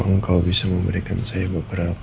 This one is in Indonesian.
engkau bisa memberikan saya beberapa